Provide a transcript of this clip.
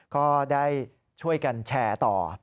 ก็ได้ช่วยกันแชร์ต่อ